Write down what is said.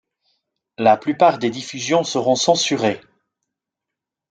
La plupart des diffusions seront censurées.